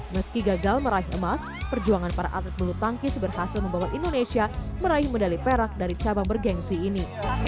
meski gagal meraih emas perjuangan para atlet bulu tangkis berhasil membawa indonesia meraih medali perak dari cabang bergensi ini